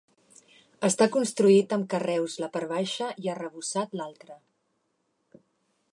Està construït amb carreus la part baixa i arrebossat l'altra.